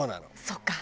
そっか。